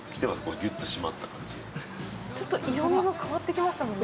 ちょっと色味が変わってきましたもんね。